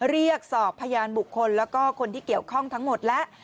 เรียกสอบพยานบุคคลแล้วก็คนที่เกี่ยวข้องทั้งหมดแล้ว